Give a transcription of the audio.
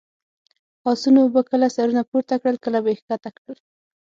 اسونو به کله سرونه پورته کړل، کله به یې کښته کړل.